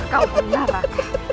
kau benar raka